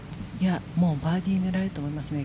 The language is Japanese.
もうバーディー狙えると思いますね。